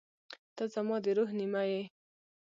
• ته زما د روح نیمه یې.